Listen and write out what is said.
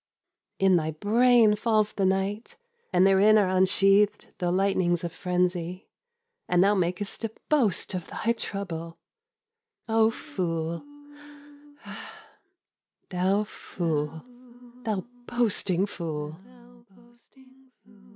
In thy brain falls the night, And therein are unsheathed the lightnings of frenzy, And thou makest a boast of thy trouble! Oh fool, thou fool, thou boasting fool!